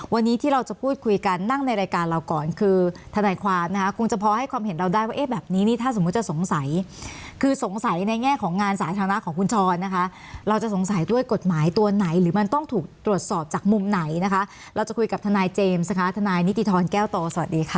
วันนี้ที่เราจะพูดคุยกันนั่งในรายการเราก่อนคือทนายความนะคะคงจะพอให้ความเห็นเราได้ว่าเอ๊ะแบบนี้นี่ถ้าสมมุติจะสงสัยคือสงสัยในแง่ของงานสาธารณะของคุณชรนะคะเราจะสงสัยด้วยกฎหมายตัวไหนหรือมันต้องถูกตรวจสอบจากมุมไหนนะคะเราจะคุยกับทนายเจมส์นะคะทนายนิติธรแก้วโตสวัสดีค่ะ